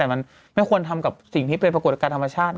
แต่มันไม่ควรทำกับสิ่งที่เป็นปรากฏการณ์ธรรมชาติ